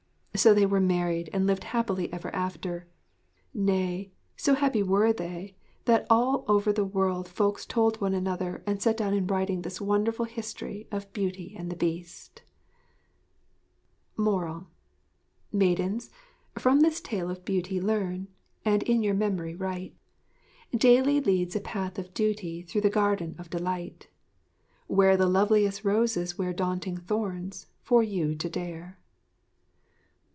So they were married and lived happy ever after; nay, so happy were they that all over the world folks told one another and set down in writing this wonderful history of Beauty and the Beast. MORAL Maidens, from this tale of Beauty _Learn, and in your memory write _ Daily leads a Path of Duty Through the Garden of Delight; Where the loveliest roses wear _Daunting thorns, for you to dare.